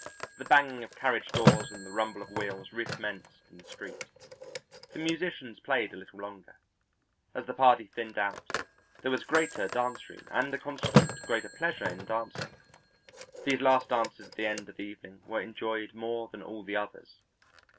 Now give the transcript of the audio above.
The banging of carriage doors and the rumble of wheels recommenced in the street. The musicians played a little longer. As the party thinned out, there was greater dance room and a consequent greater pleasure in dancing. These last dances at the end of the evening were enjoyed more than all the others.